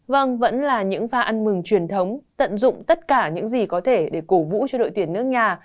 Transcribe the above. vâng vẫn là những pha ăn mừng truyền thống tận dụng tất cả những gì có thể để cổ vũ cho đội tuyển nước nhà